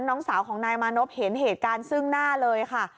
น้องสาวของนายมานพเห็นเหตุการณ์ซึ่งหน้าเลยค่ะ